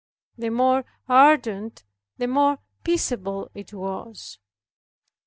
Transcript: The more ardent, the more peaceable it was.